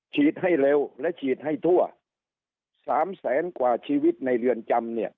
ให้เร็วและฉีดให้ทั่ว๓แสนกว่าชีวิตในเรือนจำเนี่ย